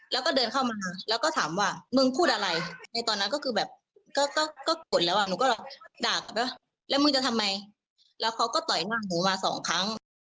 แล้วเขาก็ต่อยหน้าหนูมาสองครั้ง